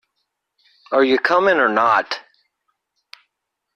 Are you coming or not?